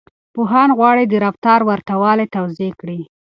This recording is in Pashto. پوهان غواړي د رفتار ورته والی توضيح کړي.